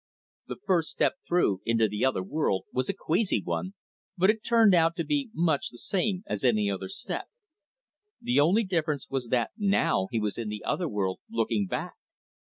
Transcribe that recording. The first step through into the other world was a queasy one, but it turned out to be much the same as any other step. The only difference was that now he was in the other world looking back.